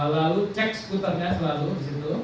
lalu cek skuternya selalu di situ